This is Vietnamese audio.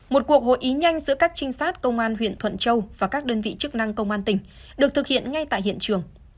một cuộc hội ý nhanh giữa các trinh sát công an huyện thuận châu và các đơn vị chức năng công an tỉnh được thực hiện ngay tại hiện trường